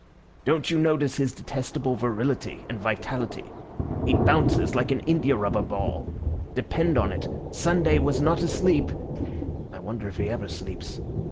Don't you notice his detestable virility and vitality. He bounces like an india rubber ball. Depend on it, Sunday was not asleep (I wonder if he ever sleeps?)